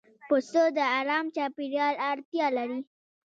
پسه د آرام چاپېریال اړتیا لري.